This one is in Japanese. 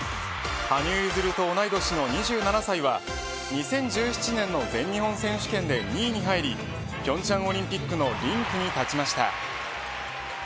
羽生結弦と同い年の２７歳は２０１７年の全日本選手権で２位に入り平昌オリンピックのリンクに立ちました。